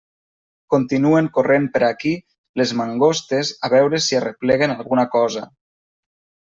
Continuen corrent per aquí les mangostes a veure si arrepleguen alguna cosa.